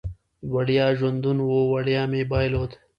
وړیا ژوندون و، وړیا مې بایلود